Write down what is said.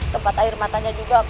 tempat air matanya juga